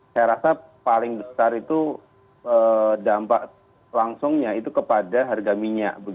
saya rasa paling besar itu dampak langsungnya itu kepada harga minyak